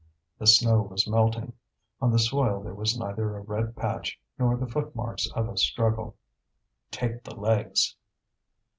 The snow was melting; on the soil there was neither a red patch nor the footmarks of a struggle. "Take the legs!"